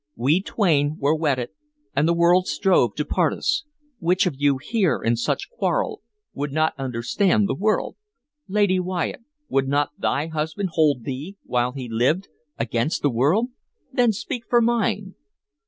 We twain were wedded, and the world strove to part us. Which of you here, in such quarrel, would not withstand the world? Lady Wyatt, would not thy husband hold thee, while he lived, against the world? Then speak for mine!"